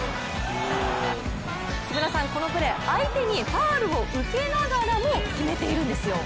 木村さん、このプレー相手にファウルを受けながらも決めているんですよ。